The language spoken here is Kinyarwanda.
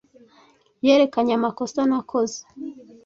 Yerekanye amakosa nakoze.